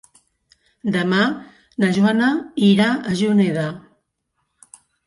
Demà na Joana irà a Juneda.